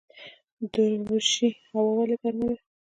دوشي هوا ولې ګرمه ده؟